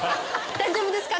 大丈夫ですか？